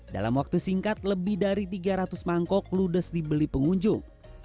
dalam waktu singkat lebih dari tiga ratus mangkok ludes dibeli pengunjung